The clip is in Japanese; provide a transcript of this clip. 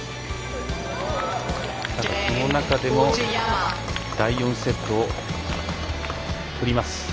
この中でも第４セットをとります。